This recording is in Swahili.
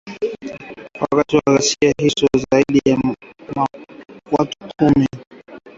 Wakati wa ghasia hizo, zaidi ya watu kumi waliuawa, mamia walijeruhiwa na maelfu kukoseshwa makazi